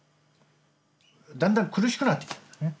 だんだん苦しくなってきたんだね